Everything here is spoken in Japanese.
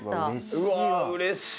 うわあうれしい！